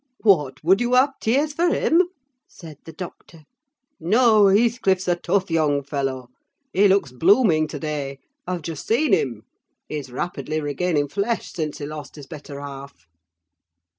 "What! would you have tears for him?" said the doctor. "No, Heathcliff's a tough young fellow: he looks blooming to day. I've just seen him. He's rapidly regaining flesh since he lost his better half."